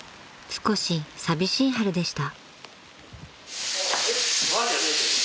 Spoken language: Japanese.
［少し寂しい春でした］